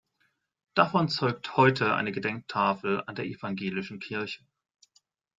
Davon zeugt heute eine Gedenktafel an der evangelischen Kirche.